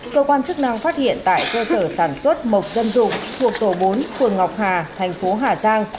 cơ quan chức năng phát hiện tại cơ sở sản xuất mộc dân dụng thuộc tổ bốn phường ngọc hà thành phố hà giang